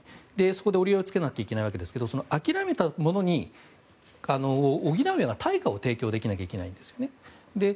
そこで折り合いをつけないといけないんですが諦めたものを補うような対価を提供できなければいけないんですね。